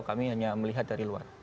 kami hanya melihat dari luar